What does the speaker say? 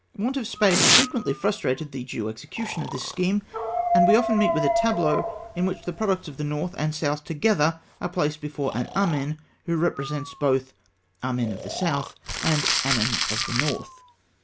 Want of space frequently frustrated the due execution of this scheme, and we often meet with a tableau in which the products of north and south together are placed before an Amen who represents both Amen of the south and Amen of the north.